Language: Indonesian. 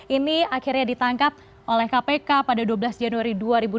ini akhirnya ditangkap oleh kpk pada dua belas januari dua ribu dua puluh